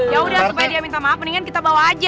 ya udah supaya dia minta maaf mendingan kita bawa aja